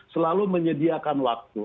selalu menyediakan waktu